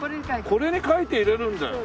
これに書いて入れるんだよ。